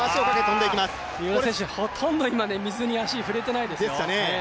三浦選手、ほとんど水に足、触れてないですよ。